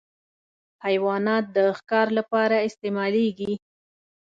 حیوانات د ښکار لپاره استعمالېږي.